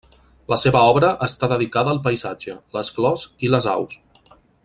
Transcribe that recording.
La seva obra està dedicada al paisatge, les flors i les aus.